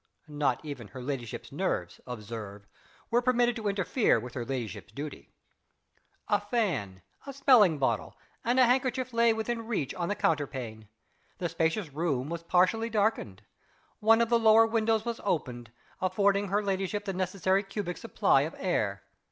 (Not even her ladyship's nerves, observe, were permitted to interfere with her ladyship's duty.) A fan, a smelling bottle, and a handkerchief lay within reach on the counterpane. The spacious room was partially darkened. One of the lower windows was open, affording her ladyship the necessary cubic supply of air.